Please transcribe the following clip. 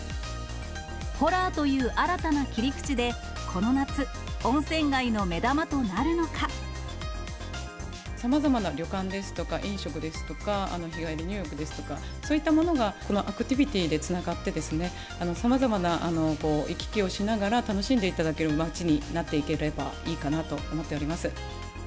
ホラーという新たな切り口で、さまざまな旅館ですとか、飲食ですとか、日帰り入浴ですとか、そういったものがこのアクティビティーでつながって、さまざまな行き来をしながら、楽しんでいただける街になっていければいいかなと思っております。